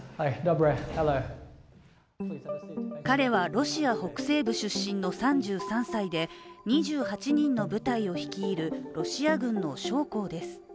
彼は、ロシア北西部出身の３３歳で２８人の部隊を率いるロシア軍の将校です。